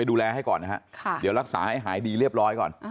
เดี๋ยวรักษาให้หายดีเรียบร้อยก่อน